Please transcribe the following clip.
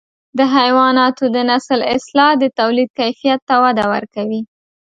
د حیواناتو نسل اصلاح د توليد کیفیت ته وده ورکوي.